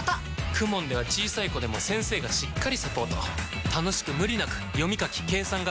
ＫＵＭＯＮ では小さい子でも先生がしっかりサポート楽しく無理なく読み書き計算が身につきます！